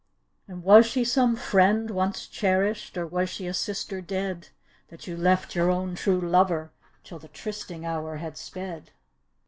" And was she some friend once chcri^d, Or was she a sister dead, That you left your own true lover Till the trysting hour had sped?"